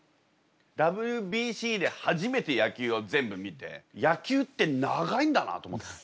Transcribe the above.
ＷＢＣで初めて野球を全部見て野球って長いんだなと思った。